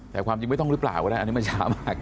แต่ความจริงไม่ต้องหรือเปล่าก็ได้อันนี้มันช้ามาก